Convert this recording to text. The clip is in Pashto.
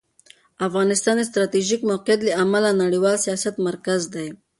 افغانستان د ستراتیژیک موقعیت له امله د نړیوال سیاست مرکز دی.